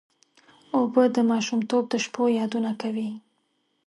اوبه د ماشومتوب د شپو یادونه کوي.